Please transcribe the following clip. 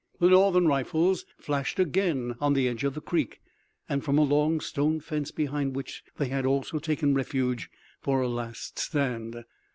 The Northern rifles flashed again on the edge of the creek, and from a long stone fence, behind which they had also taken refuge for a last stand.